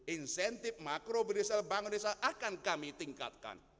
insentif makro berdesal bank desa akan kami tingkatkan